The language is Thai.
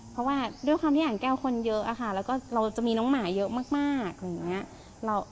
เพราะว่าด้วยความที่อ่างแก้วคนเยอะค่ะแล้วก็เราจะมีน้องหมาเยอะมากอะไรอย่างนี้